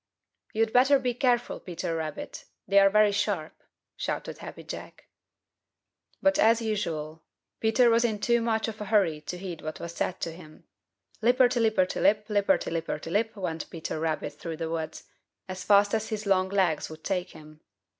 "You'd better be careful, Peter Rabbit; they're very sharp," shouted Happy Jack. But as usual, Peter was in too much of a hurry to heed what was said to him. Lipperty lipperty lip, lipperty lipperty lip, went Peter Rabbit through the woods, as fast as his long legs would take him.